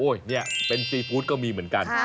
นี่เป็นซีฟู้ดก็มีเหมือนกัน